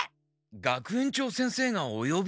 学園長先生がおよび？